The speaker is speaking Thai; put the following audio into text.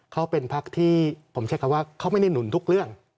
เขาเป็นพักที่ผมใช้คำว่าเขาไม่ได้หนุนทุกเรื่อง